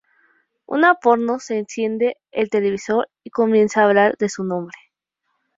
Una porno se enciende el televisor y comience a hablar de su nombre.